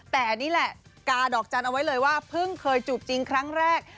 แต่นี่แหละกาดอกจันทร์เอาไว้เลยว่าเพิ่งเคยจูบจริงครั้งแรก